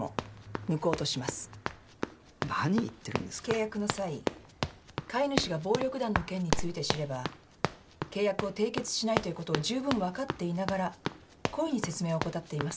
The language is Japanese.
契約の際買い主が暴力団の件について知れば契約を締結しないということを十分分かっていながら故意に説明を怠っています。